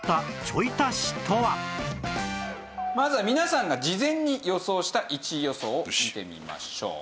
まずは皆さんが事前に予想した１位予想を見てみましょう。